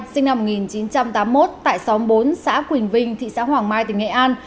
sinh năm một nghìn chín trăm tám mươi một tại xóm bốn xã quỳnh vinh thị xã hoàng mai tỉnh nghệ an